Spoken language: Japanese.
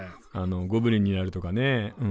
ゴブリンになるとかね。